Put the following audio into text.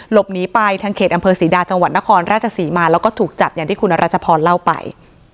หลบหนีไปทางเขตอำเภอศรีดาจังหวัดนครราชศรีมาแล้วก็ถูกจับอย่างที่คุณรัชพรเล่าไป